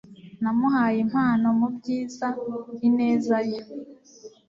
Namuhaye impano mubyiza ineza ye.